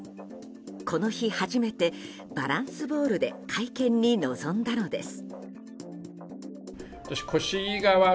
この日、初めてバランスボールで会見に臨んだのです。